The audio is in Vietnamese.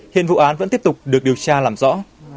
hiện vụ án vẫn tiếp tục được điều tra làm rõ